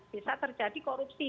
bisa terjadi korupsi